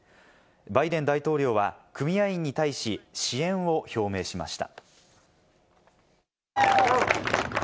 バイデン大統領は組合員に対し支援を表明しました。